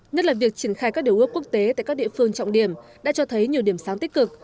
nhất là việc triển khai các điều ước quốc tế tại các địa phương trọng điểm đã cho thấy nhiều điểm sáng tích cực